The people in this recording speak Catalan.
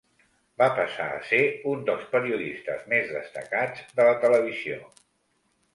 Va passar a ser un dels periodistes més destacats de la televisió.